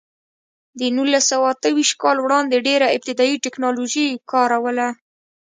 د نولس سوه اته ویشت کال وړاندې ډېره ابتدايي ټکنالوژي کار وله.